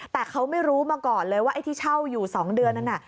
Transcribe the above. แต่เขาไม่รู้มาก่อนเลยว่าไอ้ที่เช่าอยู่๒เดือนนั้นน่ะ